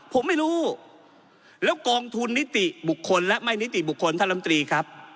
ผมไม่รู้แล้วกองทุนนิติบุคคลและไม่นิติบุคคลท่านลำตรีครับ